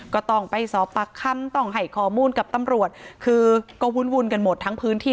ก็ต้องไปสอบปากคำต้องให้ข้อมูลกับตำรวจคือก็วุ่นกันหมดทั้งพื้นที่